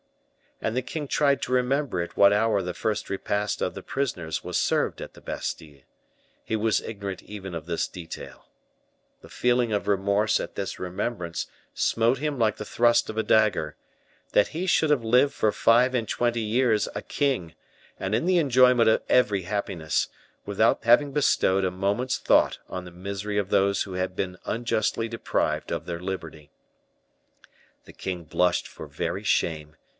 And the king tried to remember at what hour the first repast of the prisoners was served at the Bastile; he was ignorant even of this detail. The feeling of remorse at this remembrance smote him like the thrust of a dagger, that he should have lived for five and twenty years a king, and in the enjoyment of every happiness, without having bestowed a moment's thought on the misery of those who had been unjustly deprived of their liberty. The king blushed for very shame.